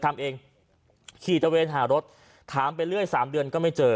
ทำเองขี่ตะเวนหารถถามไปเรื่อยสามเดือนก็ไม่เจอ